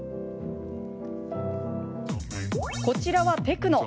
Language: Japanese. こちらはテクノ。